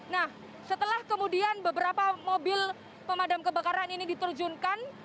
nah setelah kemudian beberapa mobil pemadam kebakaran ini diterjunkan